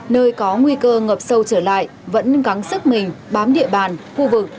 nơi có nguy cơ ngập sâu trở lại vẫn gắn sức mình bám địa bàn khu vực